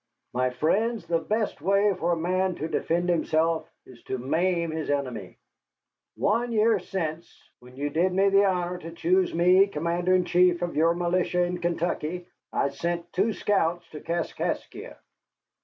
"My friends, the best way for a man to defend himself is to maim his enemy. One year since, when you did me the honor to choose me Commander in chief of your militia in Kentucky, I sent two scouts to Kaskaskia.